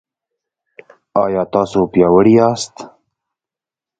ایا تاسو پیاوړي یاست؟